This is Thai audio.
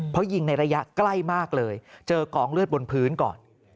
เพราะยิงในระยะใกล้มากเลยเจอกองเลือดบนพื้นก่อน